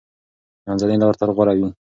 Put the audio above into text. منځنۍ لار تل غوره وي.